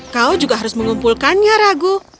kau juga harus mengumpulkannya ragu